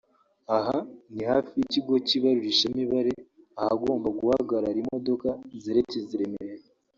Aha ni hafi y’Ikigo cy’Ibaburishamibare ahagomba guhagarara imodoka zerekeza i Remera